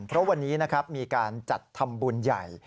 เพราะวันนี้นะครับมีการจัดทำบุญใหญ่